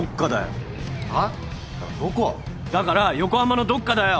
だから横浜のどっかだよ。